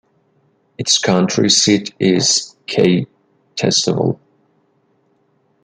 Its county seat is Keytesville.